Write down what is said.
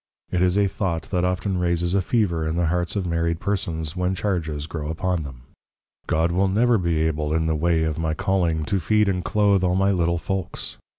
It is a thought that often raises a Feaver in the Hearts of Married Persons, when Charges grow upon them; _God will never be able in the way of my Calling, to feed and cloath all my Little Folks.